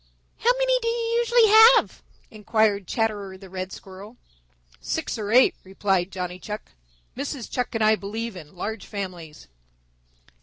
"How many do you usually have?" inquired Chatterer the Red Squirrel. "Six or eight," replied Johnny Chuck. "Mrs. Chuck and I believe in large families."